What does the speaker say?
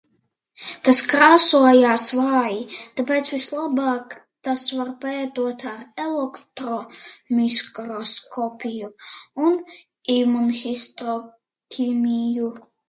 Tās krāsojas vāji, tāpēc vislabāk tās var pētot ar elektronmikroskopiju un imūnhistoķīmiju.